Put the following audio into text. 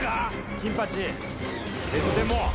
『金八』。